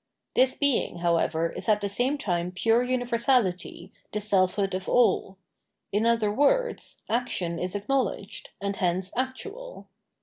This being, however, is at the same time pure universahty, the selfhood of all : in other words, action is acknowledged, and hence actual.